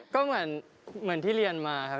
ก็เหมือนที่เรียนมาครับ